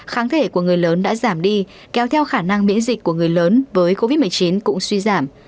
kháng thể của người lớn đã giảm đi kéo theo khả năng miễn dịch của người lớn với covid một mươi chín cũng suy giảm